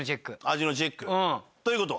味のチェック。という事は？